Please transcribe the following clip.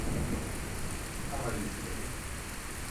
Since then, the camera has never left his side.